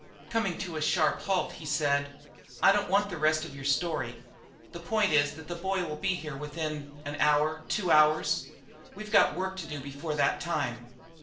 Coming to a sharp halt he said: "I don't want the rest of your story. The point is that the boy will be here within an hour two hours. We've got work to do before that time."